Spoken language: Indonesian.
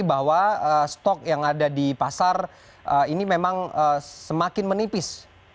apakah anda menganggap bahwa stok yang ada di pasar ini memang semakin menipis